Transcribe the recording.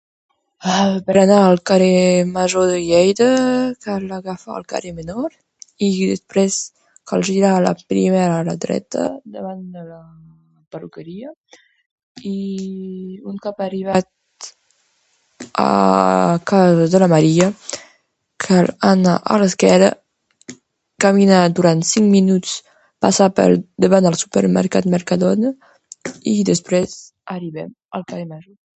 Per anar al carrer Major de Lleida, cal agafar el carrer Menor i després girar primer a la dreta davant de la perruqueria. Un cop arribats a casa de la Maria, cal anar cap a l’esquerra, caminar durant cinc minuts, passar per davant del supermercat Mercadona i, després, arribarem al carrer Major.